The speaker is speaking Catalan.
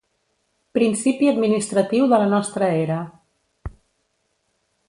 Principi administratiu de la nostra era.